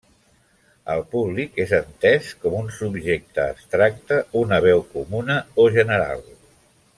El públic és entès com un subjecte abstracte, una veu comuna o general.